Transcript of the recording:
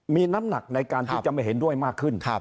มีน้ำหนักในการที่จะไม่เห็นด้วยมากขึ้น